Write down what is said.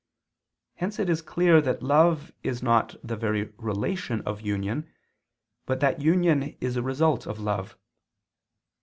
Hence it is clear that love is not the very relation of union, but that union is a result of love.